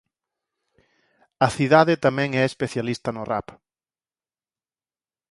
A cidade tamén é especialista no rap.